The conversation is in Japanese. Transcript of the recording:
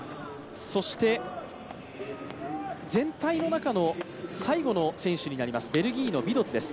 全体の中の最後の選手になります、ベルギーのビドツです。